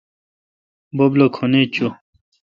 بب لو کھن ایچ چویہ۔